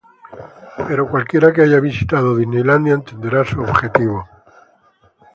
Pero cualquiera que haya visitado Disneylandia entenderá su objetivo".